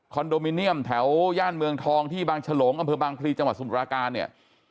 คอนโดมิเนี่ยมแถวย่านเมืองทองที่บางฉลงบางครีจังหวัดสุรการเนี่ย